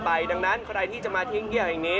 ไปดังนั้นใครจะมาทิ้งเกี้ยวอย่างนี้